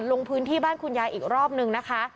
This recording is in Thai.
ลงพื้นที่บ้านคุณยายอีกรอบนึงนะคะ